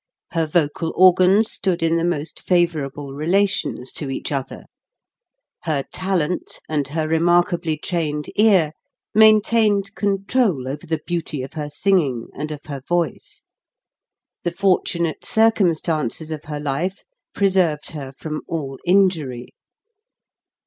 Her vocal organs stood in the most favorable relations to each other. Her talent, and her remarkably trained ear, main tained control over the beauty of her singing 16 HOW TO SING and of her voice. The fortunate circumstances of her life preserved her from all injury.